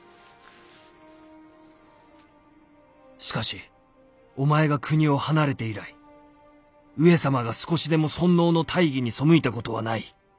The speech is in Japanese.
「しかしお前が国を離れて以来上様が少しでも尊王の大義に背いたことはない！